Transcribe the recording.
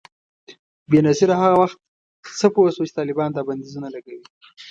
بېنظیره هغه وخت څه پوه شوه چي طالبان دا بندیزونه لګوي؟